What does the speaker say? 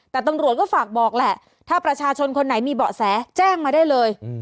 แต่ตำรวจก็ฝากบอกแหละถ้าประชาชนคนไหนมีเบาะแสแจ้งมาได้เลย